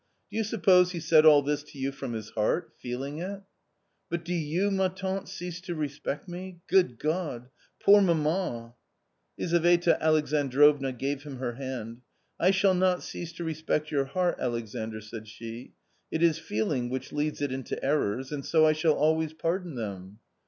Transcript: " Do you suppose he said all this to you from his heart — feeling it ?"" But do you, ma tante, cease to respect me ? Good God ! poor mamma !" Lizaveta Alexandrovna gave him her hand. " I shall not cease to respect your heart, Alexandr," said she ;" it is feeling which leads it into errors, and so I shall always pardon them."